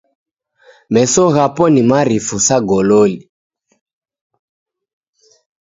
Meso ghapo ni marifu sa gololi.